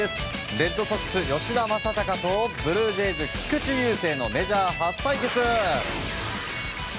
レッドソックス吉田正尚とブルージェイズ、菊池雄星のメジャー初対決。